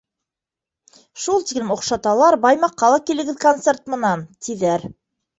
Шул тиклем оҡшаталар, Баймаҡҡа ла килегеҙ концерт менән, тиҙәр.